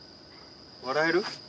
笑える？